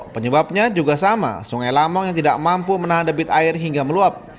penyebabnya juga sama sungai lamong yang tidak mampu menahan debit air hingga meluap